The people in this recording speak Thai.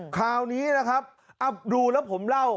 คราวนี้นะครับดูแล้วผมเล่า